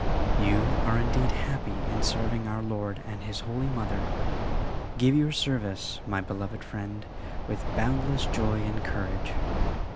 You are indeed happy in serving our Lord and His holy Mother: give your service, my beloved friend, with boundless joy and courage.